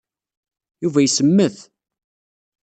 Yuba isemmet.